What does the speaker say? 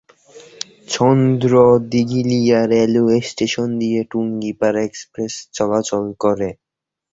চন্দ্র Dighalia railway station দিয়ে Tungipara express চলাচল করে।